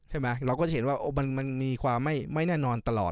ใช่ไหมเราก็จะเห็นว่ามันมันมีความไม่ไม่แน่นอนตลอด